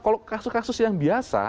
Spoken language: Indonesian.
kalau kasus kasus yang biasa